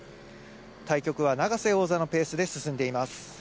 対局は永瀬王座のペースで進んでいます。